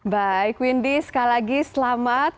baik windy sekali lagi selamat